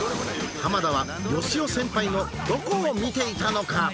浜田はよしお先輩のどこを見ていたのか？